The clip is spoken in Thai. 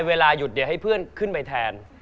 เวลาหยุดเดี๋ยวให้เพื่อนขึ้นไปแทน